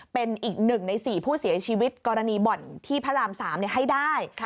เป็นอีก๑ใน๔ผู้เสียชีวิตกรณีบ่อนที่พระราม๓ให้ได้